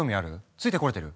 ついてこれてる？